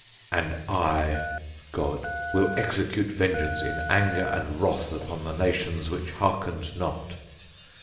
And I [God] will execute vengeance in anger and wrath upon the nations which hearkened not.